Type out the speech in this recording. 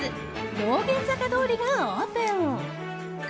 道玄坂通がオープン！